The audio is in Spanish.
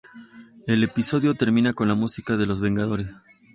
El episodio termina con la música de "Los vengadores".